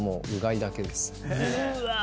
うわ。